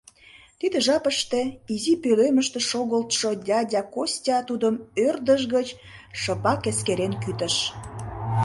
Тиде жапыште изи пӧлемыште шогылтшо дядя Костя тудым ӧрдыж гыч шыпак эскерен кӱтыш.